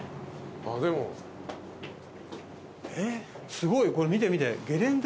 すごいこれ見て見てゲレンデ。